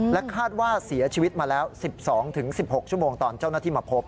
คาดว่าเสียชีวิตมาแล้ว๑๒๑๖ชั่วโมงตอนเจ้าหน้าที่มาพบ